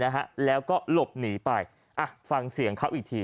นะฮะแล้วก็หลบหนีไปอ่ะฟังเสียงเขาอีกที